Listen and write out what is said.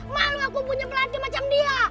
malu aku punya pelatih macam dia